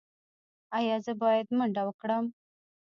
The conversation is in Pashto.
ایا زه باید منډه وکړم؟